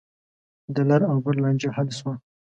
د لر او بر لانجه حل شوه.